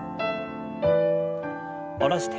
下ろして。